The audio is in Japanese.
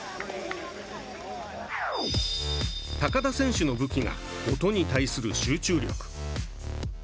高田選手の武器が音に対する集中力。